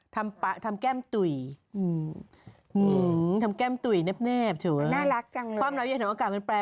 แต่ลูกยังไม่ท้องเหรอแองจี้